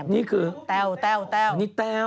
นี่คือแต้วแต้วนี่แต้ว